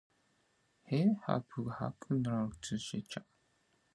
He hapx hac contisa caha.